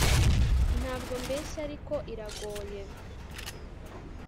ntabwo mbeshya ariko iragoye